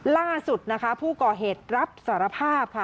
ล่าสุดนะคะผู้ก่อเหตุรับสารภาพค่ะ